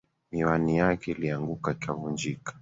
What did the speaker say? Miwani yake ilianguka ikavunjika.